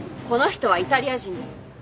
この人はイタリア人です。